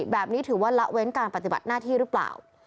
แบบนี้ถือว่าละเว้นการปฏิบัติหน้าที่หรือเปล่า